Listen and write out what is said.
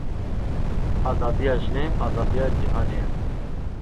Azadiya jinê azadiya cîhanê ye.